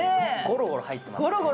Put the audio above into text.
ゴロゴロ入ってますね